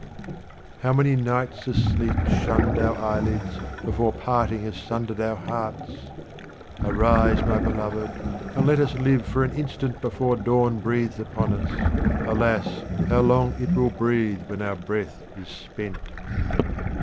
How many nights has sleep shunned our eye lids before parting has sundered our hearts ! Arise, my beloved, and let us live for an instant before dawn breathes upon us. Alas ! how long it will breathe when our breath is spent.